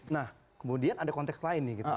nah kemudian ada konteks lain nih gitu